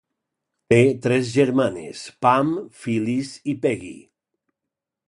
Té tres germanes: Pam, Phyllis i Peggy.